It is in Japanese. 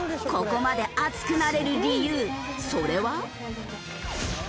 ここまで熱くなれる理由それは。